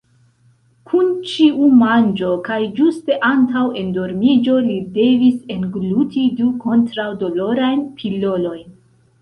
Kun ĉiu manĝo kaj ĝuste antaŭ endormiĝo, li devis engluti du kontraŭ-dolorajn pilolojn.